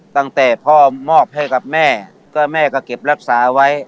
ตั้งแต่พ่อมอบให้กับแม่ก็แม่ก็เก็บรักษาไว้